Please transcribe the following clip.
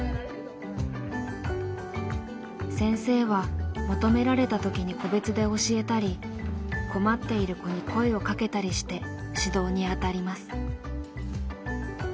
先生は求められた時に個別で教えたり困っている子に声をかけたりして指導にあたります。